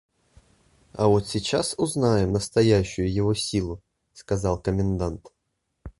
– А вот сейчас узнаем настоящую его силу, – сказал комендант.